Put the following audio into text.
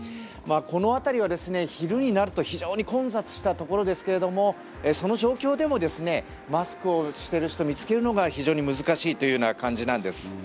この辺りは昼になると非常に混雑したところですけれどその状況でもマスクをしている人見つけるのが非常に難しいというような感じなんです。